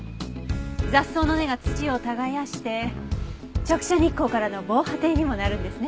雑草の根が土を耕して直射日光からの防波堤にもなるんですね。